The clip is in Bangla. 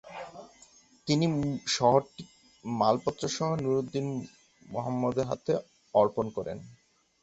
তিনি শহরটি মালপত্রসহ নুরউদ্দিন মুহাম্মদের হাতে অর্পণ করেন।